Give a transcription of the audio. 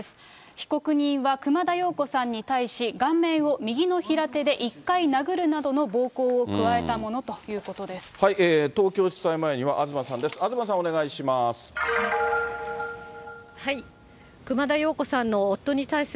被告人は熊田曜子さんに対し、顔面を右の平手で１回殴るなどの暴行を加えたものということです。